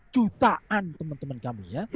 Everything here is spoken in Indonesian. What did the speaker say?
jutaan teman teman kami ya